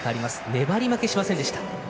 粘り負けしませんでした。